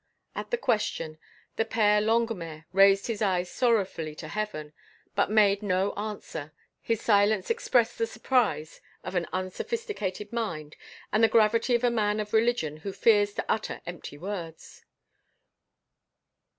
At the question, the Père Longuemare raised his eyes sorrowfully to heaven, but made no answer; his silence expressed the surprise of an unsophisticated mind and the gravity of a man of religion who fears to utter empty words.